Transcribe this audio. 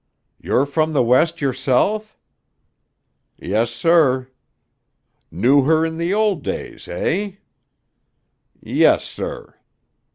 "You're from the West yourself?" "Yes, sir." "Knew her in the old days eh?" "Yes, sir."